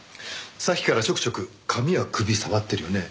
さっきからちょくちょく髪や首触ってるよね。